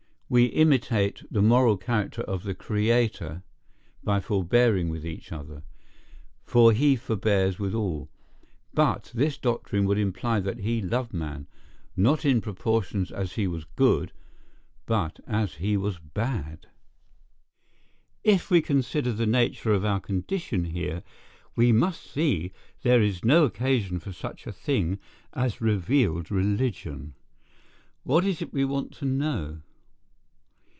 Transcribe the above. We imitate the moral character of the Creator by forbearing with each other, for he forbears with all; but this doctrine would imply that he loved man, not in proportion as he was good, but as he was bad. If we consider the nature of our condition here, we must see there is no occasion for such a thing as revealed religion. What is it we want to know?